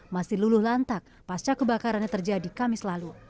masih luluh lantak pasca kebakarannya terjadi kamis lalu